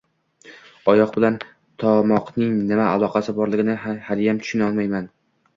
Oyoq bilan tomoqning nima aloqasi borligini haliyam tushunolmayman.